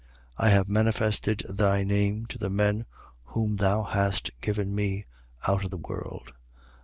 17:6. I have manifested thy name to the men whom thou hast given me out of the world.